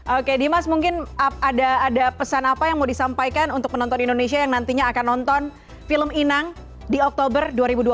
oke dimas mungkin ada pesan apa yang mau disampaikan untuk penonton indonesia yang nantinya akan nonton film inang di oktober dua ribu dua puluh